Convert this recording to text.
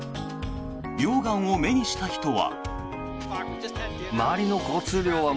溶岩を目にした人は。